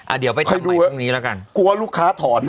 อะเดี๋ยวไปชำถอนตรงนี้แล้วกันใครดูอะกลัวลูกค้าถอน